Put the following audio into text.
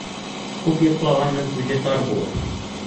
Күп йоҡлағандың күҙе тар булыр.